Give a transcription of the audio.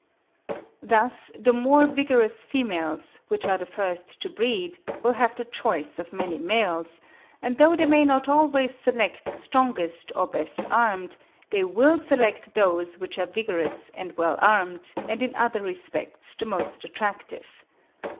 Thus the more vigorous females, which are the first to breed, will have the choice of many males; and though they may not always select the strongest or best armed, they will select those which are vigorous and well armed, and in other respects the most attractive.